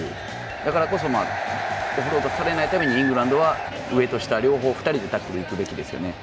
だからこそオフロードされないためにイングランドは上と下両方、２人でタックルにいくべきですよね。